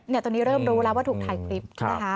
ตอนนี้เริ่มรู้แล้วว่าถูกถ่ายคลิปนะคะ